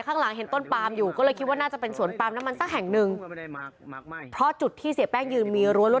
ข้างหลังเห็นต้นปามอยู่ก็เลยคิดว่าน่าจะเป็นสวนปาล์มน้ำมันสักแห่งหนึ่งเพราะจุดที่เสียแป้งยืนมีรั้วรั